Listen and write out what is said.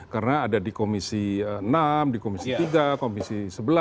karena ada di komisi enam di komisi tiga komisi sebelas